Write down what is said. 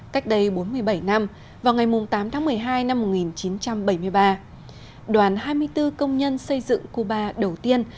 cách đây bốn mươi bảy năm vào ngày tám tháng một mươi hai năm một nghìn chín trăm bảy mươi ba đoàn hai mươi bốn công nhân xây dựng cuba đầu tiên